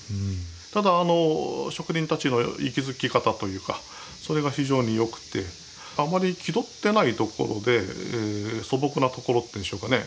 ただ職人たちの息づき方というかそれが非常によくてあまり気取っていないところで素朴なところというんでしょうかね。